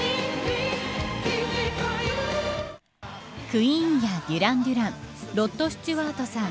クイーンやデュランデュランロッド・スチュワートさん